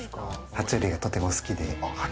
爬虫類がとても好きで。